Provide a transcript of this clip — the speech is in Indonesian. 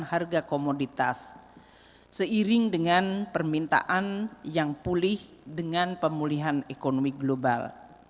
harga komoditas seiring dengan permintaan yang pulih dengan pemulihan ekonomi global